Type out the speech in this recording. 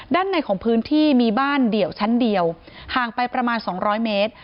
ด้านในของพื้นที่มีบ้านเดี่ยวชั้นเดียวห่างไปประมาณสองร้อยเมตร